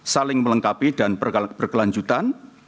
saling melengkapi dan berkelanjutan